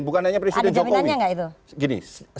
bukan hanya presiden jokowi ada jaminannya enggak itu